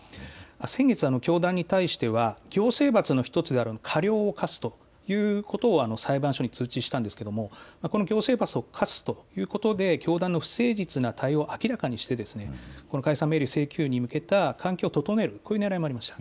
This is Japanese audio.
先月、教団に対しては行政罰の１つである過料を科すということを裁判所に通知したんですがこの行政罰を科すということで教団の不誠実な対応を明らかにして解散命令請求に向けた環境を整えるというねらいもありました。